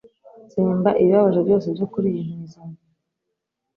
tsemba ibibabaje byose kuri iyi ntizanyo